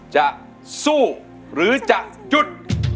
จะสู้หรือจะหยุด